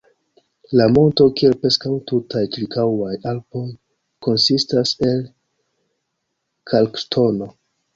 La monto, kiel preskaŭ tutaj ĉirkaŭaj Alpoj, konsistas el kalkŝtono.